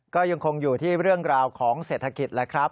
ก็ยังคงอยู่ที่เรื่องราวของเศรษฐกิจแล้วครับ